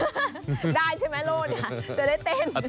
ได้ใช่ไหมโลดเนี่ยจะได้เต้น